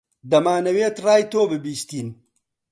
دەمانەوێت ڕای تۆ ببیستین.